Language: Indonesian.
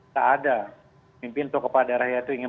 tak ada pimpin kepala daerah itu ingin